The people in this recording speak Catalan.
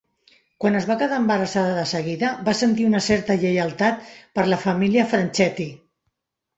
Quan es va quedar embarassada de seguida, va sentir una certa lleialtat per la família Franchetti.